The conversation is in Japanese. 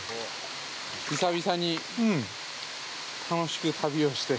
久々に楽しく旅をして。